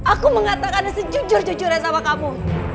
aku mengatakan sejujur jujurnya sama kamu